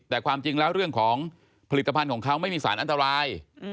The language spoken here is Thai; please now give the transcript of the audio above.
แต่ความจริงแล้วเรื่องของผลิตภัณฑ์ของเขาไม่มีสารอันตราย